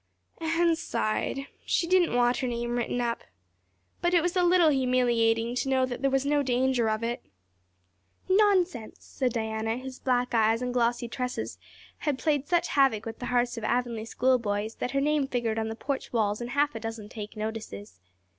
Anne sighed. She didn't want her name written up. But it was a little humiliating to know that there was no danger of it. "Nonsense," said Diana, whose black eyes and glossy tresses had played such havoc with the hearts of Avonlea schoolboys that her name figured on the porch walls in half a dozen take notices.